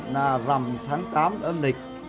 là rằm tháng tám âm lịch